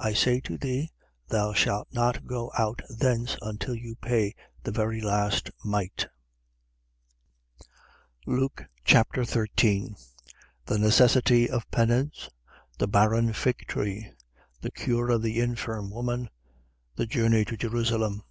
12:59. I say to thee, thou shalt not go out thence until thou pay the very last mite. Luke Chapter 13 The necessity of penance. The barren fig tree. The cure of the infirm woman. The journey to Jerusalem.